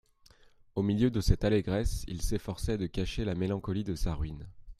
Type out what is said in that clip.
Au milieu de cette allégresse, il s'efforçait de cacher la mélancolie de sa ruine.